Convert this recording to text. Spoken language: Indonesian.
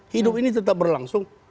hidup ini tetap berlangsung